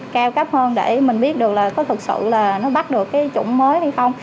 cao cấp hơn để mình biết được là có thực sự là nó bắt được cái chủng mới hay không